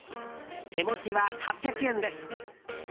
手持ちは８００円です。